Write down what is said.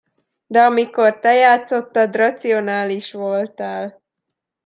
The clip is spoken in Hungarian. De amikor te játszottad, racionális voltál.